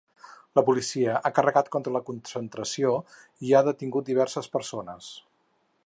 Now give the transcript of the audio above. La policia ha carregat contra la concentració i ha detingut diverses persones.